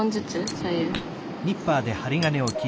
左右。